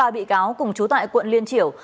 ba bị cáo cùng chú tại quận liên triểu